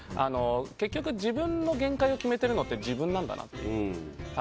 結局、自分の限界を決めているのって自分なんだなっていう。